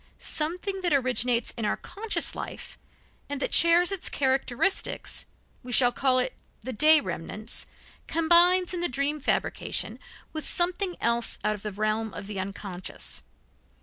Something that originates in our conscious life, and that shares its characteristics we call it the day remnants combines in the dream fabrication with something else out of the realm of the unconscious.